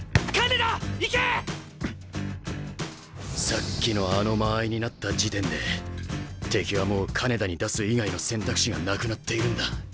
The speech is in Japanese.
さっきのあの間合いになった時点で敵はもう金田に出す以外の選択肢がなくなっているんだ。